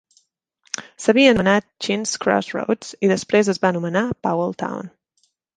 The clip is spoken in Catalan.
S'havia anomenat Chinn's Crossroads i després es va anomenar Powell Town.